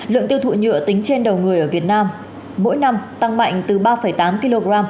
lượng tiêu thụ nhựa tính trên đầu người ở việt nam mỗi năm tăng mạnh từ ba tám kg